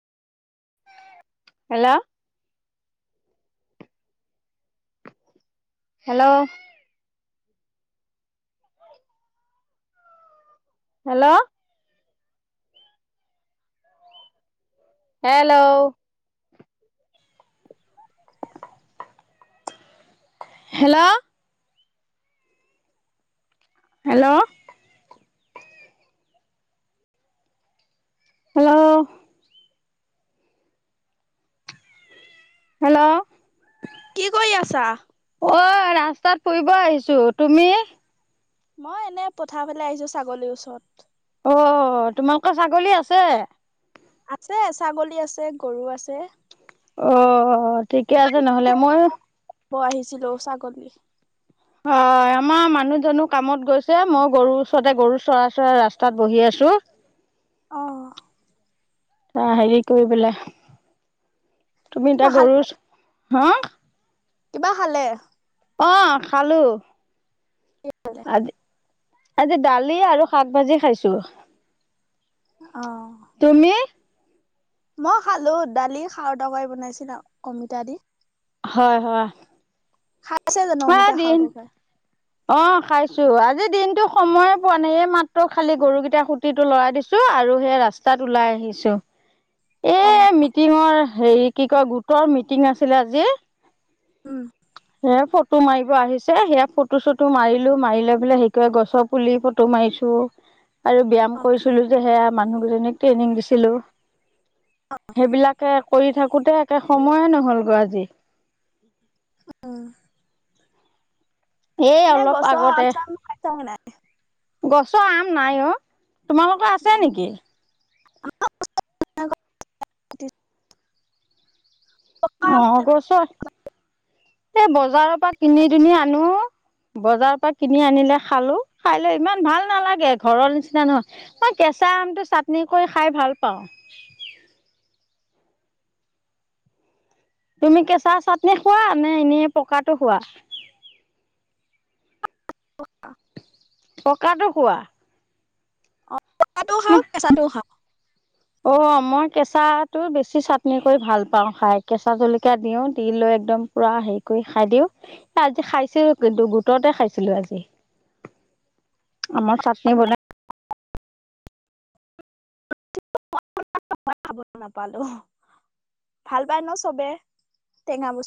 Hello hello hello hello [inaudible] hello hello hello hello কি কৰি আছা? অ, ৰাস্তাত ফুৰিব আহিছোঁ। তুমি? মই এনে পথাৰৰ ফালে আহিছোঁ ছাগলীৰ ওচৰত। অ, তোমালোকৰ ছাগলী আছে? আছে। ছাগলী আছে, গৰু আছে। অ। ঠিকে আছে নহ'লে। মই ব আহিছিলোঁ ছাগলী। হয় আমাৰ মানুহজনো কামত গৈছে। মইও গৰুৰ ওচৰতে গৰু চৰাই চৰাই ৰাস্তাত বহি আছোঁ। অহ। অ হেৰি কৰি পেলাই তুমি কিবা এতিয়া খাল গৰুচ হা? কিবা খালে? অহ খালোঁ। আজি আজি দালি আৰু শাক ভাজি খাইছোঁ। তুমি? মইও খালোঁ দালি, খাৰৰ তৰকাৰী বনাইছিলোঁ অমিতা দি। হয় হয়। খাইছে জানো অ অমিতা খাৰৰ দিন তকাই? অ খাইছোঁ। আজি দিনতো সময়ে পোৱা নাই। এই মাত্ৰ খালি গৰুকেইটা সুটিটো লৰাই দিছোঁ আৰু সেই ৰাস্তাত ওলাই আহিছোঁ। এ অ মিটিঙৰ হেৰিত কি কয় গোটৰ মিটিং আছিলে আজি। উম সে ফটো মাৰিব আহিছে সেয়া ফটো চটো মাৰিলো মাৰি লৈ পেলাই সেইকাৰে গছৰ পুলি ফটো মাৰিছো আৰু ব্যায়াম অ কৰিছিলো যে সেয়া মানুহ এনেক ট্ৰেইনিং দিছিলো সেইবিলাকে কৰি থাকোতে একে সময়ে নহল গৈ আজি উম এই এনেই অলপ গছৰ আগতে আম-চাম খাইছ নে নাই? গছৰ আম নাই অ তোমালোকৰ আছে নাই নেকি [inaudible] অ পকাটো গছৰ এই বজাৰৰ পৰা কিনি দুনি আনো বজাৰৰ পৰা কিনি আনিলে খালো খাই লৈ ইমান ভাল নালাগে ঘৰৰ নিচিনা নহয় মই কেঁচা আমটো চাটনি কৰি খাই ভাল পাওঁ তুমি কেঁচা চাটনি খোৱা নে এনেই পকাটো খোৱা ককাটো কোৱা পকাটো খাওঁ কেঁচাটোও খাওঁ অ মই কেঁচা তো বেছি চাটনি কৰি ভাল পাও খাই কেঁচা জলকীয়া দিও দি লৈ একদম পুৰা হেৰি কৰি খাই দিও আজি খাইছিলো কিন্তু গোটতে খাইছিলো আজি আমাৰ চাটনি বনাই খ নাপালো ভাল পাই ন চবে টেঙা বস্তু